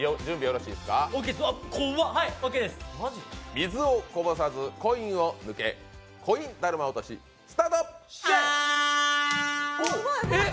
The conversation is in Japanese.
水をこぼさずコインを抜け、コインだるま落とし、スタート。